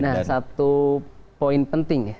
nah satu poin penting ya